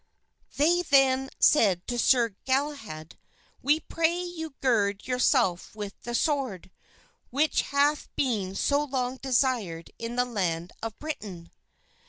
They then said to Sir Galahad, "We pray you to gird yourself with the sword, which hath been so long desired in the land of Britain."